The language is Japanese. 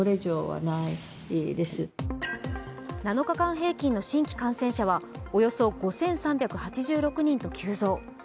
７日間平均の新規感染者はおよそ５３８６人と急増。